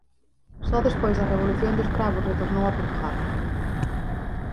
Só despois da Revolución dos Cravos retornou a Portugal.